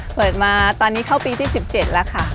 เปิดมาตอนนี้เข้าปีที่๑๗แล้วค่ะ